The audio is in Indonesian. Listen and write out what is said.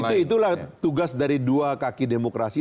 tentu itulah tugas dari dua kaki demokrasi